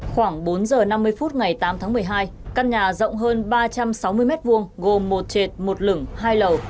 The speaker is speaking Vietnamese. khoảng bốn giờ năm mươi phút ngày tám tháng một mươi hai căn nhà rộng hơn ba trăm sáu mươi m hai gồm một trệt một lửng hai lầu